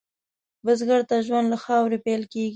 بزګر ته ژوند له خاورې پېل کېږي